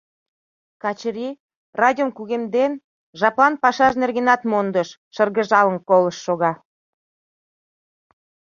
Качырий, радиом кугемден, жаплан пашаж нергенат мондыш, шыргыжалын колышт шога.